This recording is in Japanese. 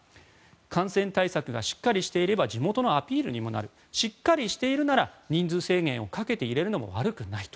感染対策がしっかりしていれば地元のアピールにもなるしっかりしているなら人数制限をかけて入れるのも悪くないと。